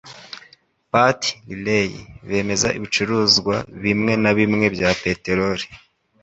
Pat Riley bemeza ibicuruzwa bimwe na bimwe bya peteroli